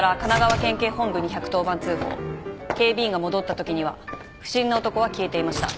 警備員が戻ったときには不審な男は消えていました。